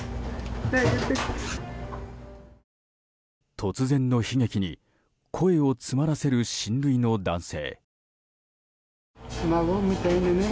突然の悲劇に声を詰まらせる親類の男性。